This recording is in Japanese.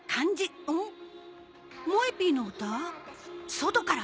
外から？